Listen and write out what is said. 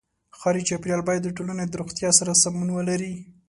ښاري چاپېریال باید د ټولنې د روغتیا سره سمون ولري.